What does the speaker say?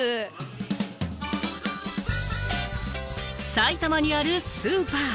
埼玉にあるスーパー。